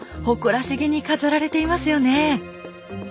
誇らしげに飾られていますよね。